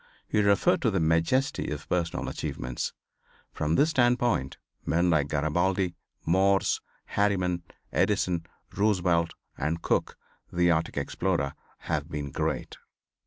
He referred to the majesty of personal achievements. From this standpoint men like Garabaldi, Morse, Harriman, Edison, Roosevelt and Cook, the Arctic explorer have been great.